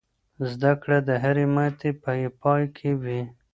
زده کړه د هرې ماتې په پای کې وي.